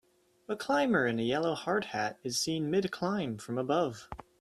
A climber in a yellow hardhat is seen midclimb from above.